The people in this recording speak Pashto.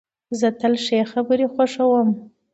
زه تل ښې خبري خوښوم.